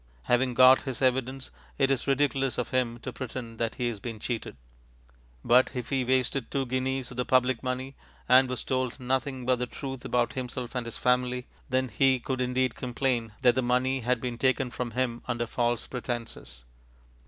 Having got his evidence, it is ridiculous of him to pretend that he has been cheated. But if he wasted two guineas of the public money, and was told nothing but the truth about himself and his family, then he could indeed complain that the money had been taken from him under false pretences.